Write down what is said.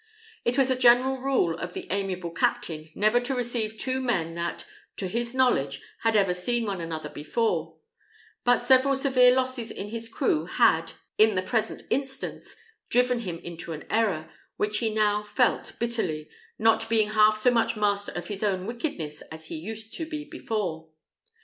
It was a general rule of the amiable captain never to receive two men that, to his knowledge, had ever seen one another before; but several severe losses in his crew had, in the present instance, driven him into an error, which he now felt bitterly, not being half so much master of his own wickedness as he used to be before.